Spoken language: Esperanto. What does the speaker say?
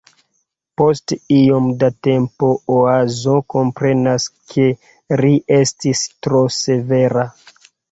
Post iom da tempo Oazo komprenas ke ri estis tro severa.